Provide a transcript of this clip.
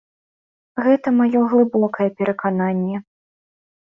Гэта маё глыбокае перакананне.